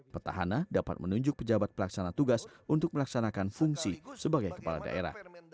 petahana dapat menunjuk pejabat pelaksana tugas untuk melaksanakan fungsi sebagai kepala daerah